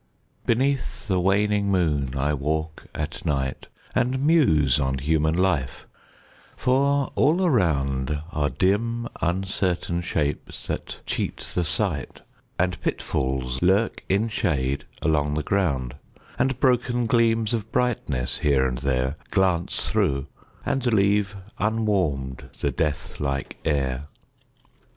Beneath the waning moon I walk at night, And muse on human life for all around Are dim uncertain shapes that cheat the sight, And pitfalls lurk in shade along the ground, And broken gleams of brightness, here and there, Glance through, and leave unwarmed the death like air.